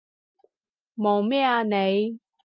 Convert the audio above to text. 望咩啊你？